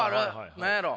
何やろう？